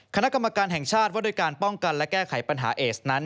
คณะกรรมการแห่งชาติว่าด้วยการป้องกันและแก้ไขปัญหาเอสนั้น